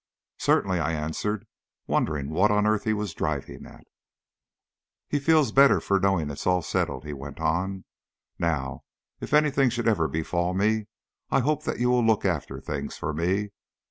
"Certainly," I answered, wondering what on earth he was driving at. "He feels better for knowing it's all settled," he went on. "Now if anything should ever befall me, I hope that you will look after things for me.